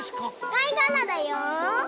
かいがらだよ！